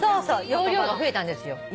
容量が増えたんですよ。